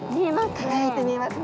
輝いて見えますね。